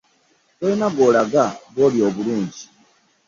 Tolina gw'olaga bw'oli obulungi.